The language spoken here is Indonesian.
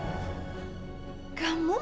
dasar kamu darling